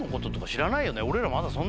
知らないよ。